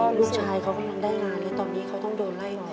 ลูกชายเขากำลังได้งานแล้วตอนนี้เขาต้องโดนไล่หน่อย